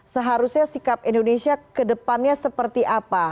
seharusnya sikap indonesia ke depannya seperti apa